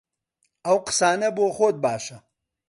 ئەو قسانە بۆ خۆت باشە!